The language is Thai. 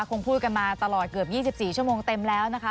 คงพูดกันมาตลอดเกือบ๒๔ชั่วโมงเต็มแล้วนะคะ